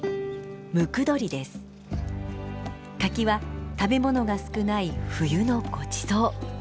柿は食べ物が少ない冬のごちそう。